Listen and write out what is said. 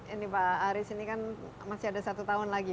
ini pak aris ini kan masih ada satu tahun lagi